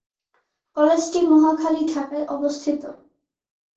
কলেজটি মহাখালী, ঢাকায়, অবস্থিত।